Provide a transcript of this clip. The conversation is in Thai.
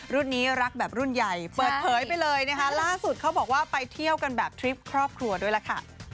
รุ่นนี้รักแบบรุ่นใหญ่เปิดเผยไปเลยนะคะล่าสุดเขาบอกว่าไปเที่ยวกันแบบทริปครอบครัวด้วยล่ะค่ะ